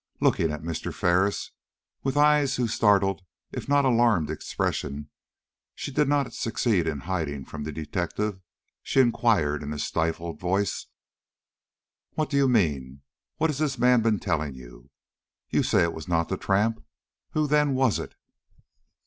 Looking at Mr. Ferris with eyes whose startled, if not alarmed, expression she did not succeed in hiding from the detective, she inquired, in a stifled voice: "What do you mean? What has this man been telling you? You say it was not the tramp. Who, then, was it?"